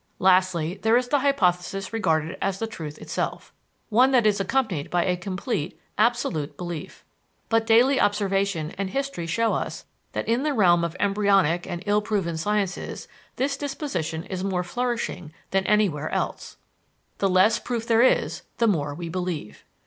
Lastly, there is the hypothesis regarded as the truth itself one that is accompanied by a complete, absolute, belief. But daily observation and history show us that in the realm of embryonic and ill proven sciences this disposition is more flourishing than anywhere else. _The less proof there is, the more we believe.